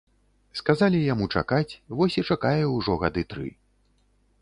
Сказалі яму чакаць, вось і чакае ўжо гады тры.